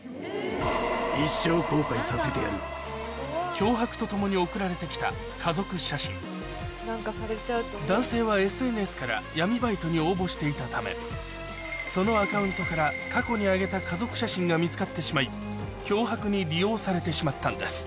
脅迫と共に送られてきた家族写真闇バイトにそのアカウントから過去に上げた家族写真が見つかってしまい脅迫に利用されてしまったんです